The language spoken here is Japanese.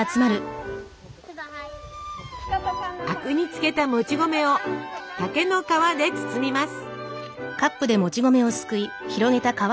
灰汁につけたもち米を竹の皮で包みます。